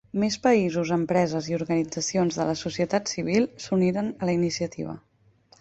Més països, empreses i organitzacions de la societat civil s'uniren a la iniciativa.